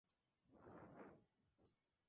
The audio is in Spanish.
De Egipto a Elche.